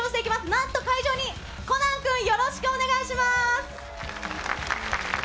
なんと会場にコナン君、よろしくお願いします。